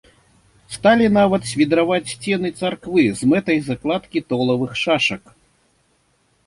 Сталі нават свідраваць сцены царквы з мэтай закладкі толавых шашак.